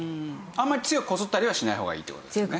あんまり強くこすったりはしない方がいいって事ですね。